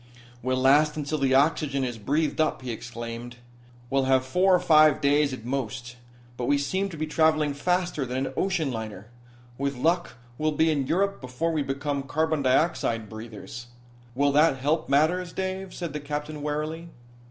"We'll last until the oxygen is breathed up," he exclaimed. "We'll have four or five days, at most. But we seem to be traveling faster than an ocean liner. With luck, we'll be in Europe before we become carbon dioxide breathers." "Will that help matters, Dave?" said the captain wearily.